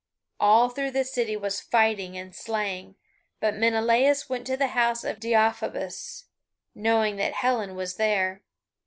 All through the city was fighting and slaying; but Menelaus went to the house of Deiphobus, knowing that Helen was there.